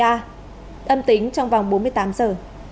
âm tính trong vòng bốn mươi tám giờ